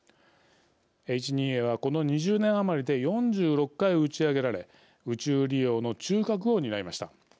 Ｈ２Ａはこの２０年余りで４６回打ち上げられ宇宙利用の中核を担いました。